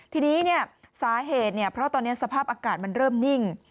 ทีนี้สาเหตุเพราะตอนนี้สภาพอากาศมันเริ่มนิ่ง